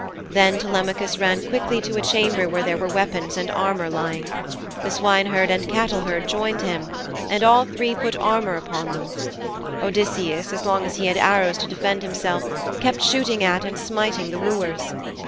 Then Telemachus ran quickly to a chamber where there were weapons and armour lying. The swineherd and the cattleherd joined him, and all three put armour upon them. Odysseus, as long as he had arrows to defend himself, kept shooting at and smiting the wooers.